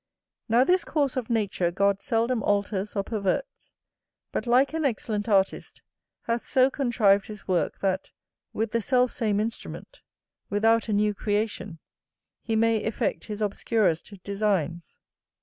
Now this course of nature God seldom alters or perverts; but, like an excellent artist, hath so contrived his work, that, with the self same instrument, without a new creation, he may effect his obscurest designs.